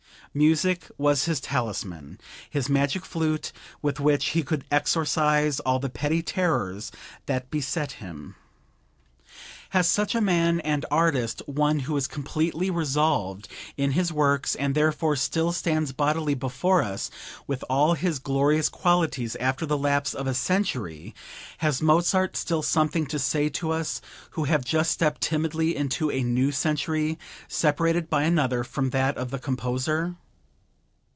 Music was his talisman, his magic flute with which he could exorcise all the petty terrors that beset him. Has such a man and artist one who was completely resolved in his works, and therefore still stands bodily before us with all his glorious qualities after the lapse of a century has Mozart still something to say to us who have just stepped timidly into a new century separated by another from that of the composer?